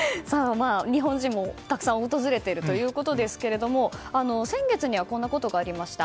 日本人もたくさん訪れているということですけども先月にはこんなことがありました。